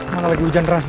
mana lagi hujan teras